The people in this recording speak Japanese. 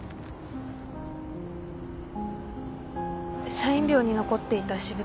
社員寮に残っていた私物